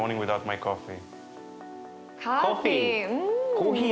コーヒー。